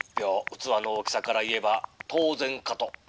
器の大きさから言えば当然かと。